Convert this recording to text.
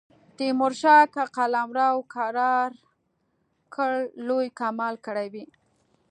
تیمورشاه که قلمرو کرار کړ لوی کمال کړی وي.